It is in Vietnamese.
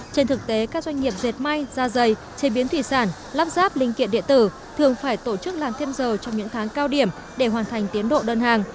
trên thực tế các doanh nghiệp dệt may da dày chế biến thủy sản lắp ráp linh kiện điện tử thường phải tổ chức làm thêm giờ trong những tháng cao điểm để hoàn thành tiến độ đơn hàng